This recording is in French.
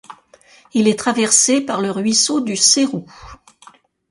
Il est traversé par le ruisseau du Céroux.